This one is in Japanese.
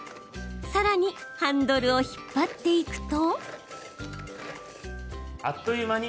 さらにハンドルを引っ張っていくと。